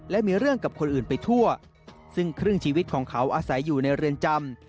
และมีเรื่องกับคนอื่นไปทั่วซึ่งครึ่งชีวิตของเขาอาศัยอยู่ในเรือนจำ